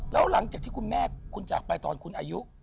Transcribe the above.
แล้วหลังจากที่คุณแม่คุณจากไปตอนคุณอายุ